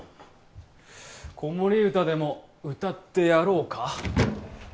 子守歌でも歌ってやろうか？